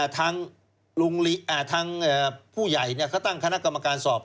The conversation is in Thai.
ทางผู้ใหญ่เขาตั้งคณะกรรมการสอบ